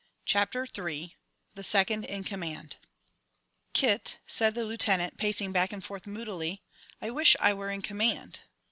CHAPTER III THE SECOND IN COMMAND "Kit," said the Lieutenant, pacing back and forth moodily, "I wish I were in command."